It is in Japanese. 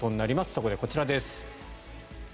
そこでこちらです。